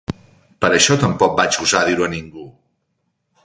Per això tampoc vaig gosar dir-ho a ningú.